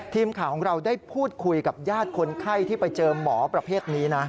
ทีมข่าวของเราได้พูดคุยกับญาติคนไข้ที่ไปเจอหมอประเภทนี้นะ